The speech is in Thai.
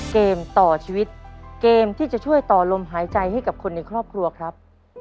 เกมต่อชีวิตเกมที่จะช่วยต่อลมหายใจให้กับคนในครอบครัวครับ